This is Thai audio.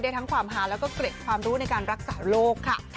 ทั้งความหาแล้วก็เกร็ดความรู้ในการรักษาโรคค่ะ